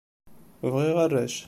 Bɣiɣ arrac.